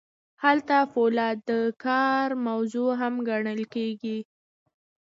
هلته فولاد د کار موضوع هم ګڼل کیږي.